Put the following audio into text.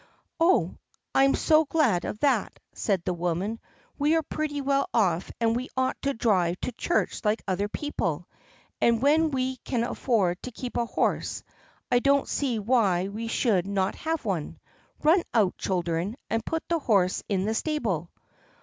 "Oh, I'm so glad of that," said the woman. "We are pretty well off and we ought to drive to church like other people, and when we can afford to keep a horse I don't see why we should not have one. Run out, children, and put the horse in the stable."